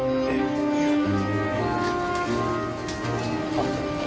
あっ。